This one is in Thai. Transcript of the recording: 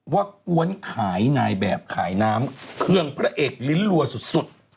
ว่ากว้นให้นายเปิบขายน้ำเครื่องพระเอกลิ้นรัวสุด